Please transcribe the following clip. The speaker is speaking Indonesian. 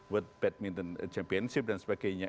world badminton championship dan sebagainya